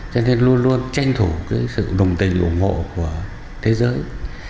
cho nên luôn luôn tranh thủ sự đồng tình ủng hộ của thế giới